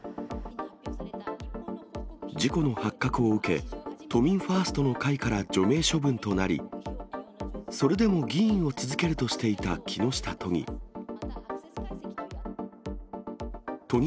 事故の発覚を受け、都民ファーストの会から除名処分となり、それでも議員を続けるとしていた木下都議。